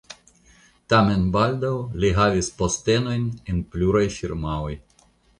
Tamen baldaŭ li havis postenojn en pluraj firmaoj.